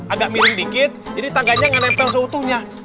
agak miring dikit jadi tangganya nggak nempel seutuhnya